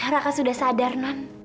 raka sudah sadar non